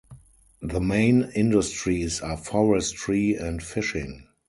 The main industries are forestry and fishing.